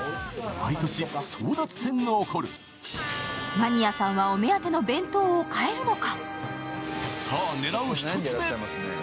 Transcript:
マニアさんはお目当ての弁当を買えるのか？